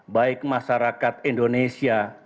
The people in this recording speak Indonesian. baik masyarakat indonesia